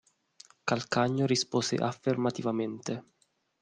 Calcagno rispose affermativamente.